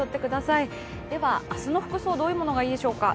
明日の服装、どういうものがいいでしょうか？